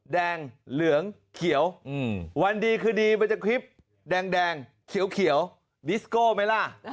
แดงเหลืองเขียววันดีคือดีมันจะคลิปแดงเขียวดิสโก้ไหมล่ะ